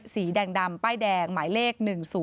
สีแดงป้ายแดงหมายเลข๑๐๖๙๙๗